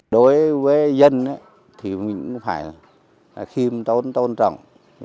đối với dân thì mình cũng phải khiêm tốn tôn trọng